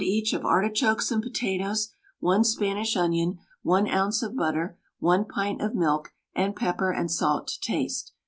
each of artichokes and potatoes, 1 Spanish onion, 1 oz. of butter, 1 pint of milk, and pepper and salt to taste.